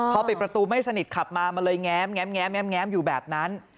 พอปิดประตูไม่สนิทขับมามันเลยแง้มอยู่แบบนั้น